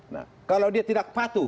nah kalau dia tidak patuh